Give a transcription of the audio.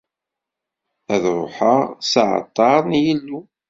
Ad ruḥeɣ s aɛalṭar n Yillu.